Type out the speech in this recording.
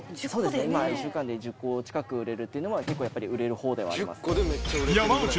そうですね、１週間で１０個近く売れるというのは、結構売れるほうではあります。